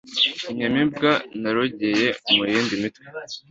Inyamibwa narogeye mu yindi mitwe